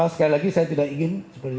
sekali lagi saya tidak ingin seperti